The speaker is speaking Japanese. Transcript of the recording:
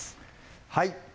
はい